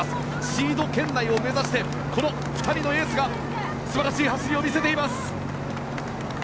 シード圏内を目指してこの２人のエースが素晴らしい走りを見せています。